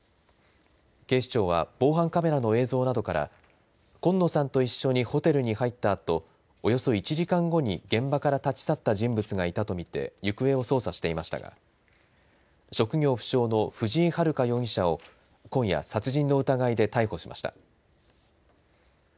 警視庁は防犯カメラの映像などから今野さんと一緒にホテルに入ったあとおよそ１時間後に現場から立ち去った人物がいたとみて行方を捜査していましたが職業不詳の藤井遙容疑者を今夜、殺人の疑いで逮捕しました。